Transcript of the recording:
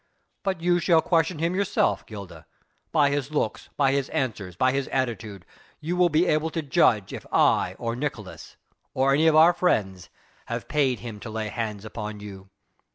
But you shall question him yourself, Gilda. By his looks, by his answers, by his attitude you will be able to judge if I or Nicolaes or any of our friends, have paid him to lay hands upon you.